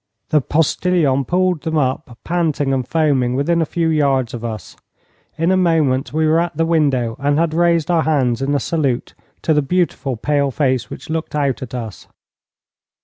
The postilion pulled them up panting and foaming within a few yards of us. In a moment we were at the window and had raised our hands in a salute to the beautiful pale face which looked out at us.